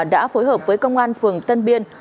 đã phối hợp với công an phường tân biên